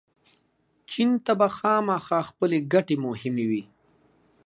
چین ته به خامخا خپلې ګټې مهمې وي.